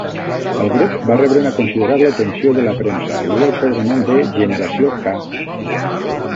El grup va rebre una considerable atenció de la premsa i el sobrenom de "Generació K".